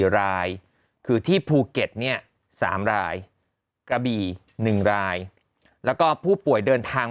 ๔รายคือที่ภูเก็ตเนี่ย๓รายกระบี่๑รายแล้วก็ผู้ป่วยเดินทาง